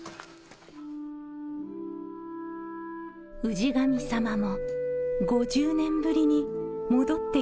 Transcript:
氏神様も５０年ぶりに戻ってきました。